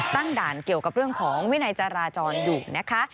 ด่านเกี่ยวกับเรื่องของวินัยจราจรอยู่นะคะ